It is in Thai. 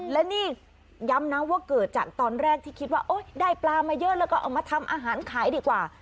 และนี่ย้ำนะว่าเกิดจากตอนแรกที่คิดว่าได้ปลามาเยอะแล้วก็เอามาทำอาหารขายดีกว่า